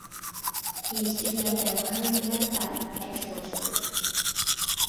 এ stadium ব্যবহারের মেয়াদ কাল এক শো বছর।